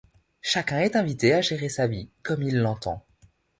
Chacun est invité à gérer sa vie comme il l'entend.